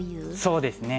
そうですね。